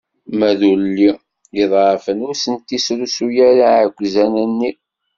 Ma d ulli iḍeɛfen, ur sent-isrusu ara iɛekkzan-nni.